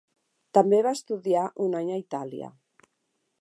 També va estudiar un any a Itàlia.